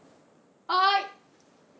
はい。